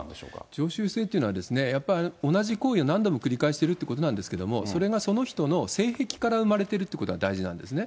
常習性っていうのはやっぱり同じ行為を何度も繰り返しているということなんですけどもそれがその人の性癖から生まれてるっていうことが大事なんですね。